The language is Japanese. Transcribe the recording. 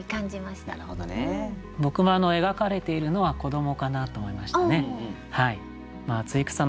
僕も描かれているのは子どもかなと思いましたね。